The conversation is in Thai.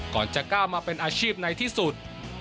ก่อนจะก้าวมาเป็นอาชีพในที่สุด